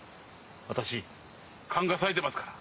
私カンがさえてますから。